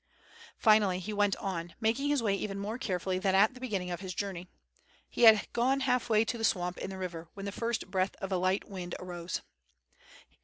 Finally he went on, making his way even more carefully than at the beginning of his journey. He had gone half way to the swamp in the river, when the first breath of a light wind arose.